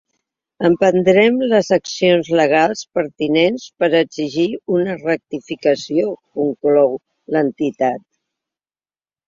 Emprendrem les accions legals pertinents per exigir una rectificació, conclou l’entitat.